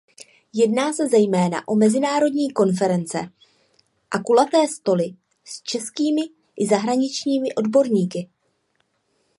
Jedná se zejména o mezinárodní konference a kulaté stoly s českými i zahraničními odborníky.